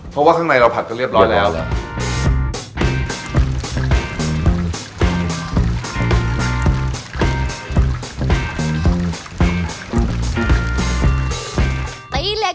เพราะว่าข้างในเราผัดกันเรียบร้อยแล้วแล้ว